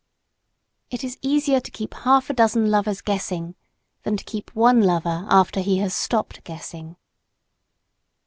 It is easier to keep half a dozen lovers guessing than to keep one lover after he has stopped guessing.